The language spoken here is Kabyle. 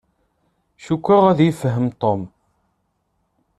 Cukkeɣ ad yefhem Tom.